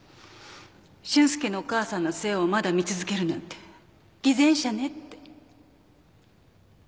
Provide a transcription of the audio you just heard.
「俊介のお母さんの世話をまだ見続けるなんて偽善者ね」って。